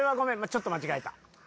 ちょっと間違えた。